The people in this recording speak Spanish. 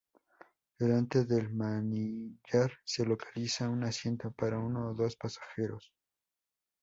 Delante del manillar se localiza un asiento para uno o dos pasajeros.